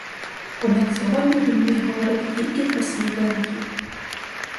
Однак сьогодні він міг говорити тільки про свій винахід.